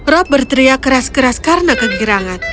rob berteriak keras keras karena kegirangan